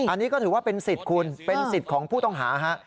อันนี้ก็ถือว่าเป็นสิทธิ์คุณเป็นสิทธิ์ของผู้ต้องหาฮะ